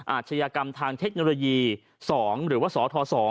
อาชญากรรมทางเทคโนโลยี๒หรือว่าสท๒